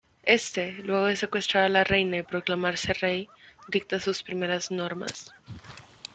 Este, luego de secuestrar a la Reina y proclamarse rey, dicta sus primeras normas.